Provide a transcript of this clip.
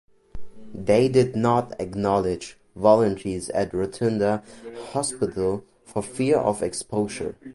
They did not acknowledge volunteers at Rotunda Hospital for fear of exposure.